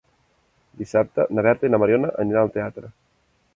Dissabte na Berta i na Mariona aniran al teatre.